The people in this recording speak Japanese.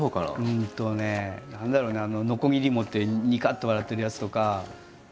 うんとね何だろうねのこぎり持ってにかっと笑ってるやつとか。